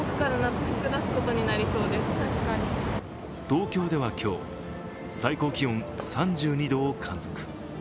東京では今日、最高気温３２度を観測。